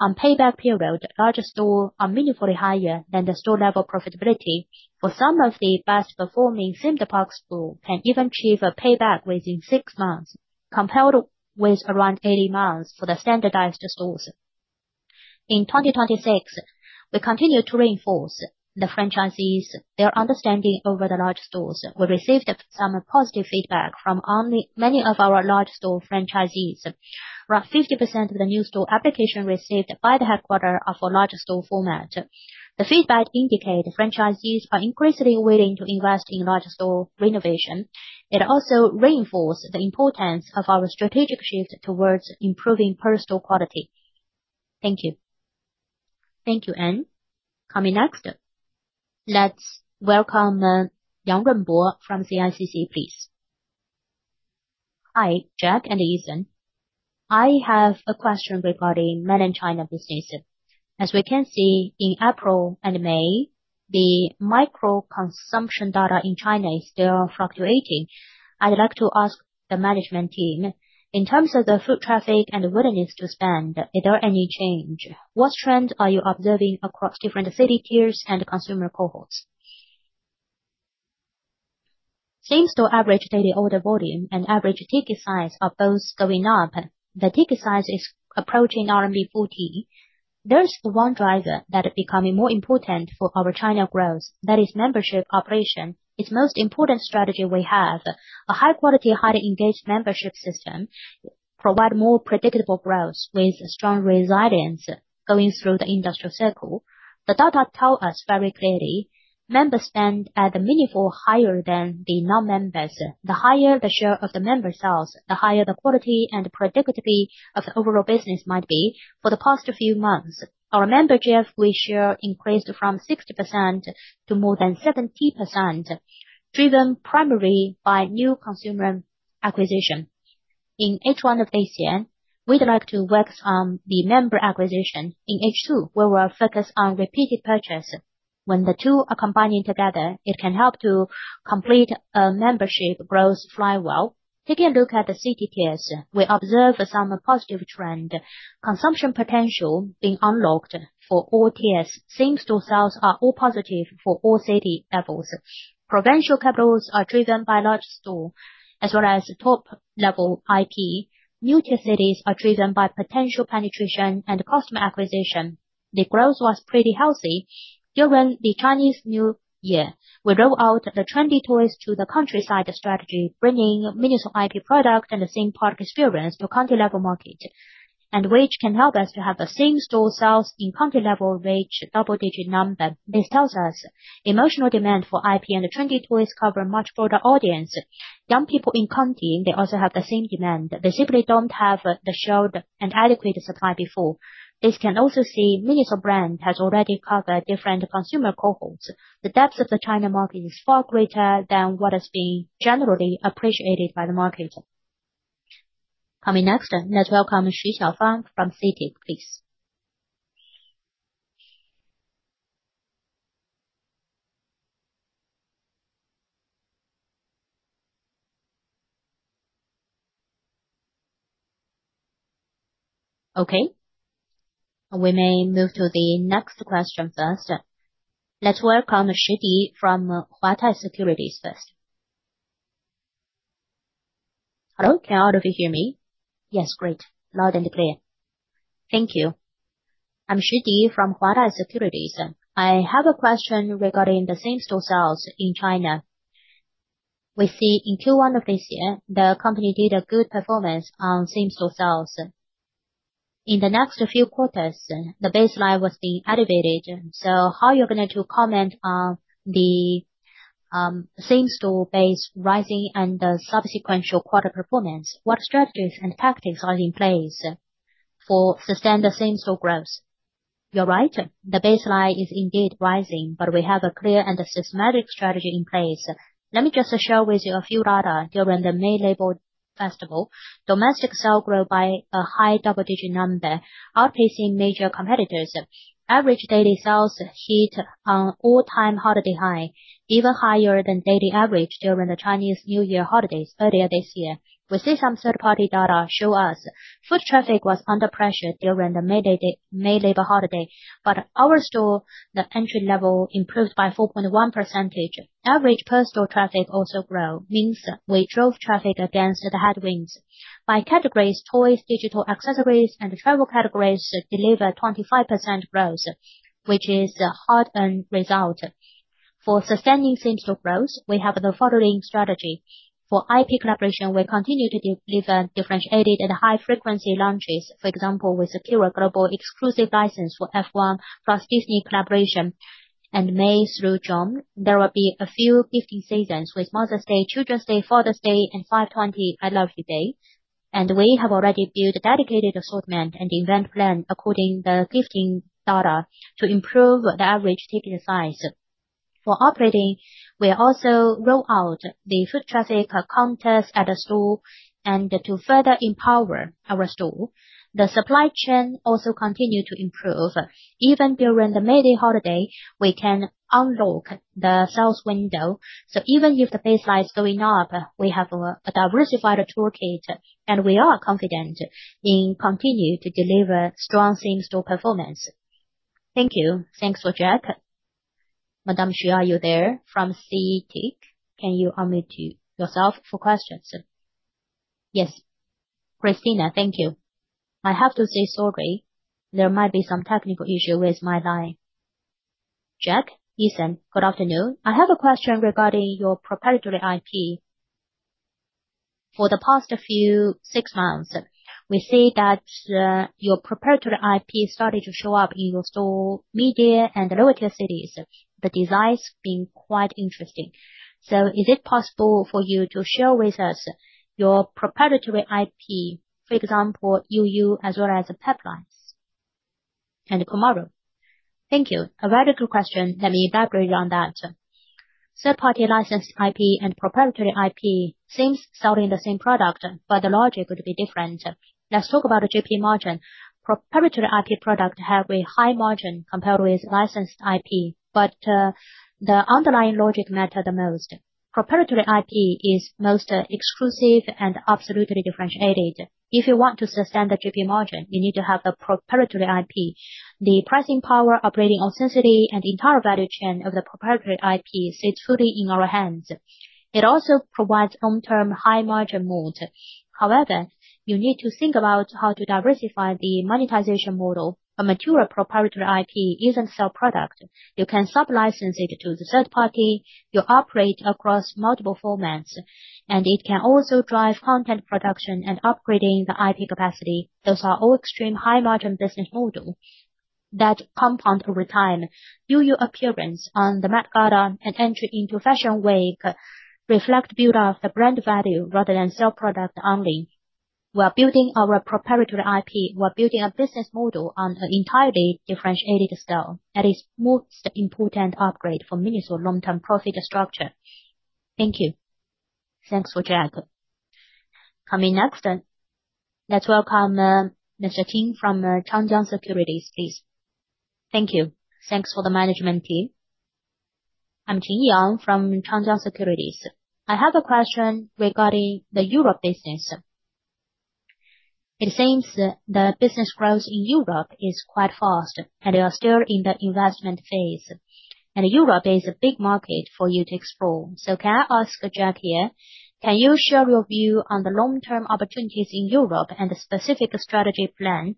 On payback period, larger store are meaningfully higher than the store level profitability. For some of the best performing MINISO LAND store can even achieve a payback within 6 months, compared with around 18 months for the standardized stores. In 2026, we continue to reinforce the franchisees their understanding over the large stores. We received some positive feedback from many of our large store franchisees. About 50% of the new store application received by the headquarters are for large store format. The feedback indicate the franchisees are increasingly willing to invest in large store renovation. It also reinforce the importance of our strategic shift towards improving per store quality. Thank you. Thank you, Anne. Coming next. Let's welcome Yang Runbo from CICC please. Hi, Jack and Eason. I have a question regarding Mainland China this season. As we can see in April and May, the micro consumption data in China is still fluctuating. I'd like to ask the management team, in terms of the foot traffic and willingness to spend, are there any change? What trend are you observing across different city tiers and consumer cohorts? Same-store average daily order volume and average ticket size are both going up. The ticket size is approaching RMB 14. There's one driver that is becoming more important for our China growth, that is membership operation. It's most important strategy we have. A high quality, highly engaged membership system provide more predictable growth with strong resilience going through the industrial cycle. The data tell us very clearly, members spend at a meaningful higher than the non-members. The higher the share of the member sales, the higher the quality and predictability of the overall business might be. For the past few months, our membership ratio increased from 60% to more than 70%, driven primarily by new consumer acquisition. In H1 of this year, we'd like to work on the member acquisition. In H2, we will focus on repeated purchase. When the two are combining together, it can help to complete a membership growth flywheel. Taking a look at the city tiers, we observed some positive trend. Consumption potential being unlocked for all tiers. Same-store sales are all positive for all city levels. Provincial capitals are driven by large store as well as top level IP. Tier cities are driven by potential penetration and customer acquisition. The growth was pretty healthy during the Chinese New Year. We roll out the trendy toys to the countryside strategy, bringing MINISO IP product and the same product experience to county level market, and which can help us to have the same-store sales in county level reach double-digit number. This tells us emotional demand for IP and the trendy toys cover a much broader audience. Young people in county, they also have the same demand. They simply don't have the shelf and adequate supply before. This can also see MINISO brand has already covered different consumer cohorts. The depth of the China market is far greater than what is being generally appreciated by the market. Coming next, let's welcome Xu Xiaofang from CITIC please. Okay. We may move to the next question first. Let's welcome Shi Di from Huatai Securities first. I don't know if you hear me. Yes, great. Loud and clear. Thank you. I'm Shi Di from Huatai Securities. I have a question regarding the same-store sales in China. We see in Q1 of this year, the company did a good performance on same-store sales. In the next few quarters, the baseline was being elevated. How are you going to comment on the same-store base rising and the subsequent quarter performance? What strategies and tactics are in place to sustain the same-store growth? You're right, the baseline is indeed rising, but we have a clear and a systematic strategy in place. Let me just share with you a few data. During the May Labor Festival, domestic sales grew by a high double-digit number, outpacing major competitors. Average daily sales hit an all-time high, even higher than daily average during the Chinese New Year holidays earlier this year. We see some third-party data show us foot traffic was under pressure during the May Day holiday, but our store, the entry level improved by 4.1%. Average personal traffic also grow, means we drove traffic against the headwinds. By categories, toys, digital accessories, and travel categories delivered 25% growth, which is a hard-earned result. For sustaining same-store growth, we have the following strategy. For IP preparation, we continue to deliver differentiated and high-frequency launches. For example, with the global exclusive license for F1 plus Disney collaboration. In May through June, there will be a few gifting seasons with Mother's Day, Children's Day, Father's Day, and 520 Lover's Day. We have already built a dedicated assortment and event plan according the gifting data to improve average ticket size. For operating, we also roll out the foot traffic contest at a store, and to further empower our store. The supply chain also continue to improve. Even during the May Day holiday, we can unlock the sales window. Even if the baseline is going up, we have a diversified toolkit, and we are confident we continue to deliver strong same-store performance. Thank you. Thanks for Jack. Madam Xu, are you there from CITIC? Can you unmute yourself for questions? Yes. Christina, thank you. I have to say sorry, there might be some technical issue with my line. Jack, Eason. Good afternoon. I have a question regarding your proprietary IP. For the past few six months, we see that your proprietary IP started to show up in your store media and the lower cities. The design's been quite interesting. Is it possible for you to share with us your proprietary IP, for example, YOYO as well as the pipelines? Thank you. A radical question, let me elaborate on that. Third-party licensed IP and proprietary IP, since selling the same product, the logic would be different. Let's talk about the GP margin. Proprietary IP product have a high margin compared with licensed IP, the underlying logic matter the most. Proprietary IP is most exclusive and absolutely differentiated. If you want to sustain the GP margin, you need to have a proprietary IP. The pricing power, operating elasticity, and the entire value chain of the proprietary IP sits fully in our hands. It also provides long-term high margin mode. You need to think about how to diversify the monetization model. A mature proprietary IP isn't sell product. You can sub-license it to the third party. You operate across multiple formats, and it can also drive content production and upgrading the IP capacity. Those are all extreme high-margin business model that compound over time. YOYO appearance on the red carpet and entry in professional way reflect build up the brand value rather than sell product only. We're building our proprietary IP. We're building a business model on an entirely differentiated style. That is most important upgrade for MINISO long-term profit structure. Thank you. Thanks for Jack. Coming next, let's welcome Mr. Ting from Changjiang Securities, please. Thank you. Thanks for the management team. I'm Ting Yang from Changjiang Securities. I have a question regarding the Europe business. It seems the business growth in Europe is quite fast, and you are still in the investment phase. Europe is a big market for you to explore. Can I ask Jack Ye, can you share your view on the long-term opportunities in Europe and the specific strategy plan?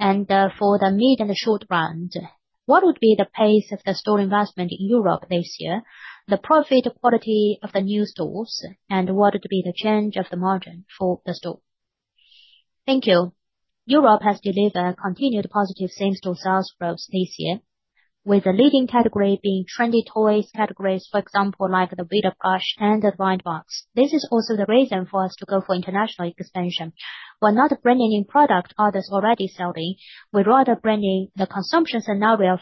For the mid and the short run, what would be the pace of the store investment in Europe this year, the profit quality of the new stores, and what would be the change of the margin for the store? Thank you. Europe has delivered continued positive same-store sales growth this year, with the leading category being trendy toys categories, for example, like the [vinyl plush] and the Blind Box. This is also the reason for us to go for international expansion. We're not bringing in product others already selling. We're rather bringing the consumption scenario of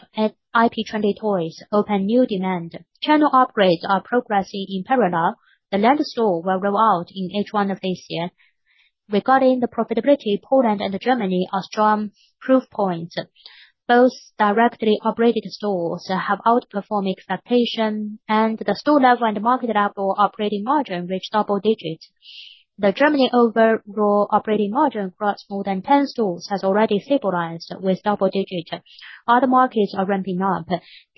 IP trendy toys, open new demand. Channel upgrades are progressing in parallel. The store will roll out in H1 of this year. Regarding the profitability, Poland and Germany are strong proof point. Both directly operated stores have outperformed expectation. The store-level and marked-out or operating margin reached double digits. The Germany overall operating margin for us more than 10 stores has already stabilized with double digits. Other markets are ramping up.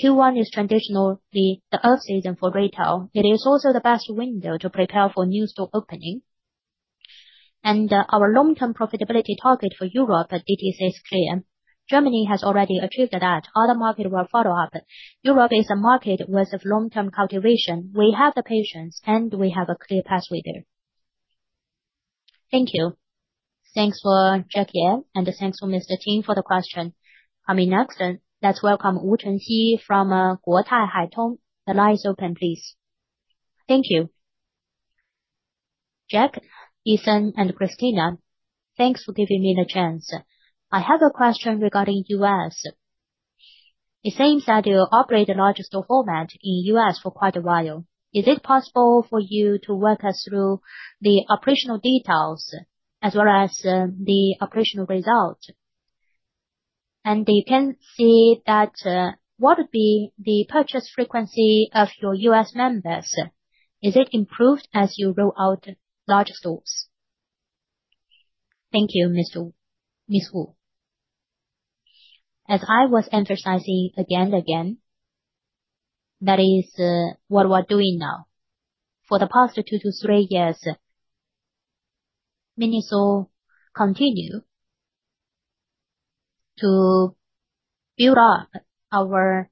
Q1 is traditional the off season for retail. It is also the best window to prepare for new store opening. Our long-term profitability target for Europe at [DTC SKM]. Germany has already achieved that. Other markets will follow up. Europe is a market with long-term cultivation. We have the patience and we have a clear pathway there. Thank you. Thanks for Jack Ye, and thanks to Mr. Ting for the question. Coming next, let's welcome Wu Chenxi from Guotai Haitong. The line is open, please. Thank you. Jack, Eason, and Christina, thanks for giving me the chance. I have a question regarding U.S. It says that you operate the largest store format in U.S. for quite a while. Is it possible for you to walk us through the operational details as well as the operational result? We can see that, what would be the purchase frequency of your U.S. members? Is it improved as you roll out large stores? Thank you, Ms. Wu. As I was emphasizing again, that is what we are doing now. For the past two to three years, MINISO continued to build up our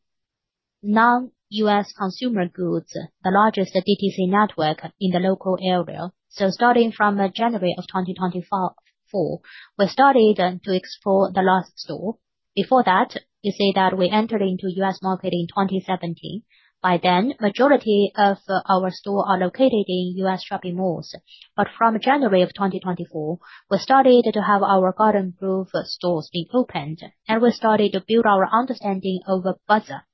non-U.S. consumer goods, the largest DTC network in the local area. Starting from January of 2024, we started to explore the large store. Before that, you say that we entered into U.S. market in 2017. By then, majority of our stores are located in U.S. shopping malls. From January of 2024, we started to have our stores being opened, and we started to build our understanding of a buzzer.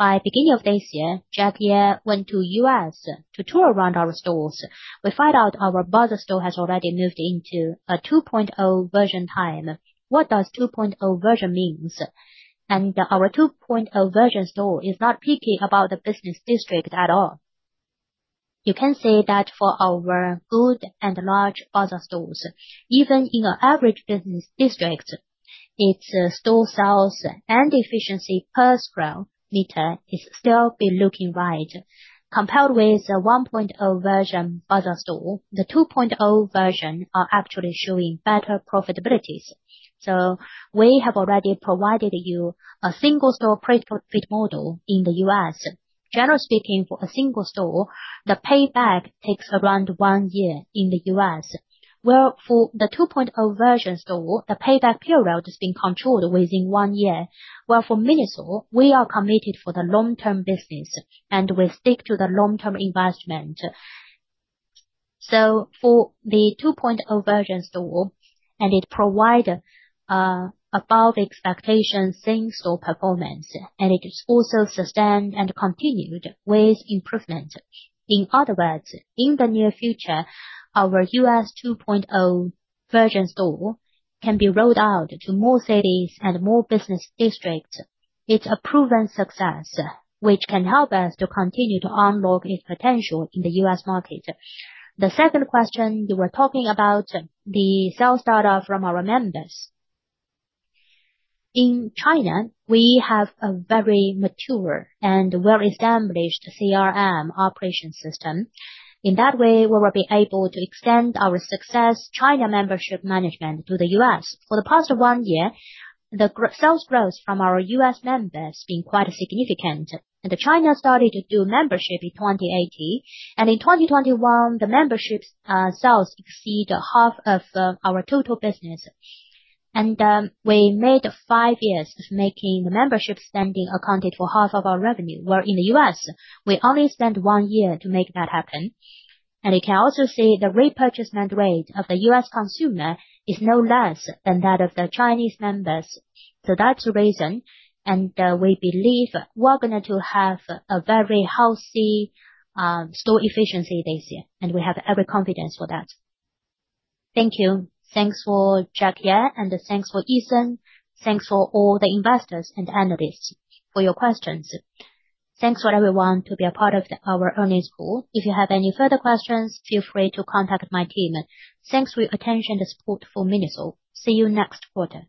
By the beginning of this year, Javier went to U.S. to tour around our stores. We find out our buzzer store has already moved into a 2.0 version time. What does 2.0 version mean? Our 2.0 version store is not picky about the business district at all. You can say that for our good and large buzzer stores, even in an average business district, its store sales and efficiency per square meter is still been looking right. Compared with the 1.0 version buzzer store, the 2.0 version are actually showing better profitabilities. We have already provided you a single store profit model in the U.S. Generally speaking, for a single store, the payback takes around one year in the U.S., where for the 2.0 version store, the payback period is being controlled within one year. Well, for MINISO, we are committed for the long-term business, and we stick to the long-term investment. For the 2.0 version store, and it provide above expectation single store performance, and it is also sustained and continued with improvement. In other words, in the near future, our U.S. 2.0 version store can be rolled out to more cities and more business districts. It's a proven success, which can help us to continue to unlock its potential in the U.S. market. The second question, you were talking about the sales data from our members. In China, we have a very mature and well-established CRM operation system. In that way, we will be able to extend our success China membership management to the U.S. For the past one year, the sales growth from our U.S. members has been quite significant. The China started to do membership in 2018, and in 2021, the membership sales exceed half of our total business. We made five years making membership spending accounted for half of our revenue, where in the U.S., we only spent one year to make that happen. We can also see the repurchase rate of the U.S. consumer is no less than that of the Chinese members. That's the reason. We believe we're going to have a very healthy store efficiency this year, and we have every confidence for that. Thank you. Thanks for Jack Ye, and thanks for Eason. Thanks for all the investors and analysts for your questions. Thanks for everyone to be a part of our earnings call. If you have any further questions, feel free to contact my team. Thanks for your attention this call for MINISO. See you next quarter.